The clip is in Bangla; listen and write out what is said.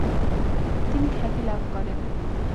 তিনি খ্যাতি লাভ করেন।